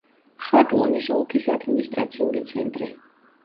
ხატლონის ოლქის ადმინისტრაციული ცენტრი.